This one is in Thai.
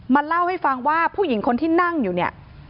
เล่าให้ฟังว่าผู้หญิงคนที่นั่งอยู่เนี่ย